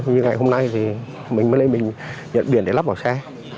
như ngày hôm nay thì mình mới lên mình nhận biển để lắp vào xe